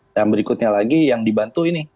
dan berikutnya lagi yang dibantu ini